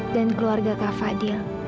dan keluarga kak fadil